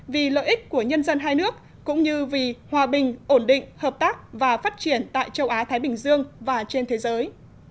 vì lợi ích của nhân dân hai nước cũng như vì hòa bình ổn định hợp tác và phát triển tại châu á thái bình dương và trên thế giới